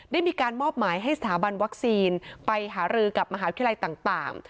ได้มีการมอบหมายให้สถาบันวัคซีนไปหารือกับมหาวิทยาลัยต่าง